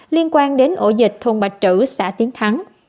liên quan đến ổ dịch thôn bạch trữ xã tiến thắng